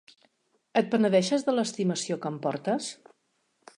Et penedeixes de l'estimació que em portes?